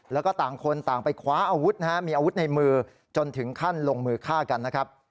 แล้วก็ต่างคนต่างไปคว้าอาวุธนะฮะมีอาวุธในมือจนถึงขั้นลงมือฆ่ากันนะครับ